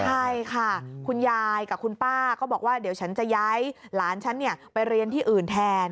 ใช่ค่ะคุณยายกับคุณป้าก็บอกว่าเดี๋ยวฉันจะย้ายหลานฉันไปเรียนที่อื่นแทน